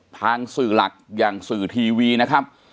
ทางสื่อหลักอย่างสื่อทีวีนะครับ